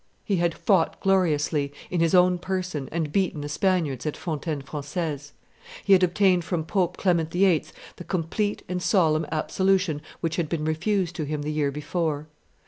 He had fought gloriously, in his own person, and beaten the Spaniards at Fontaine Francaise. He had obtained from Pope Clement VIII. the complete and solemn absolution which had been refused to him the year before.